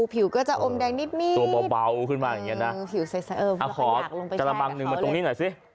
ผิวก็จะอมแดงนิดตัวเบาขึ้นมาอย่างนี้นะขอกระบังหนึ่งมาตรงนี้หน่อยสิ